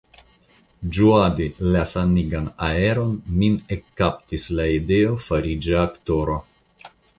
Ĝuadi la sanigan aeron, min ekkaptis la ideo fariĝi aktoro.